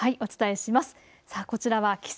お伝えします。